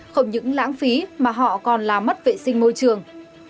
không những lãng phí mà họ còn làm mất vệ sinh môi trường